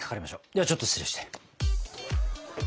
ではちょっと失礼して。